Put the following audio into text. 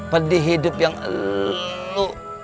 pedih hidup yang elu